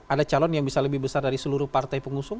ada calon yang bisa lebih besar dari seluruh partai pengusung